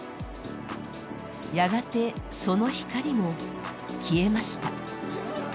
やがて、その光も消えました。